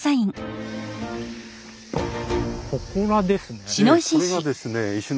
ほこらですね。